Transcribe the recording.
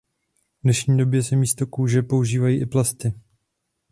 V dnešní době se místo kůže používají i plasty.